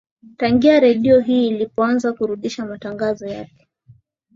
tangia redio hii ilipoanza kurusha matangazo yake